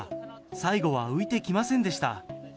最後は浮いてきませんでした。